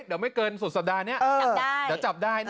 เดี๋ยวไม่เกินสักสัปดาห์เนี่ยเดี๋ยวนั้นจะจับได้